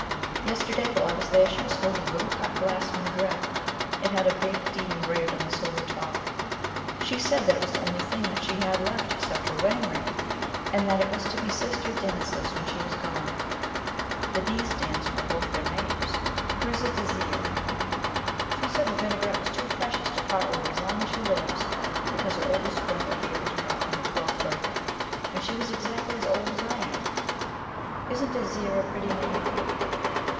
"Yesterday while I was there she was holding a little cut glass vinaigrette. It had a big D engraved on the silver top. She said that it was the only thing that she had left except her wedding ring, and that it was to be Sister Denisa's when she was gone. The D stands for both their names. Hers is Désiré. She said the vinaigrette was too precious to part with as long as she lives, because her oldest brother gave it to her on her twelfth birthday, when she was exactly as old as I am. Isn't Désiré a pretty name?"